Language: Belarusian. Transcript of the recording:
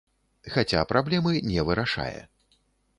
Хаця праблемы не вырашае.